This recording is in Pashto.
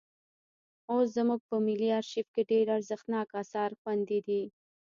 اوس زموږ په ملي ارشیف کې ډېر ارزښتناک اثار خوندي دي.